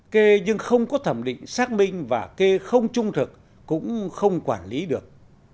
kê nhưng không có thẩm định xác minh và kê không trung thực cũng không quản lý được